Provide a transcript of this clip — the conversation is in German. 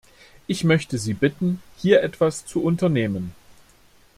Ich möchte Sie bitten, hier etwas zu unternehmen.